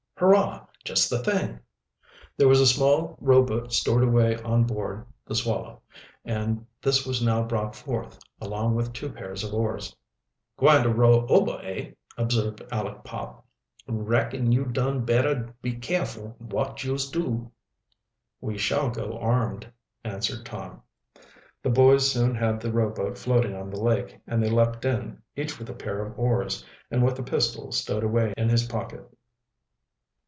"Hurrah! just the thing!" There was a small rowboat stored away on board the Swallow, and this was now brought forth, along with two pairs of oars. "Gwine ter row ober, eh?" observed Aleck Pop. "Racken you dun bettah been careful wot youse do." "We shall go armed," answered Tom. The boys soon had the rowboat floating on the lake, and they leaped in, each with a pair of oars, and with a pistol stowed away in his pocket.